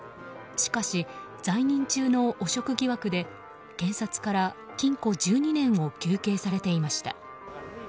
しかし、在任中の汚職疑惑で検察から禁錮１２年を求刑されていました。